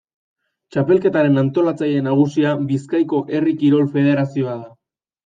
Txapelketaren antolatzaile nagusia Bizkaiko Herri Kirol Federazioa da.